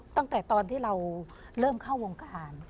ตั้งแต่ตอนที่เราเริ่มเข้าวงการ